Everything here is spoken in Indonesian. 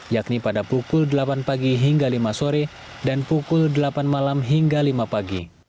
yakni pada pukul delapan pagi hingga lima sore dan pukul delapan malam hingga lima pagi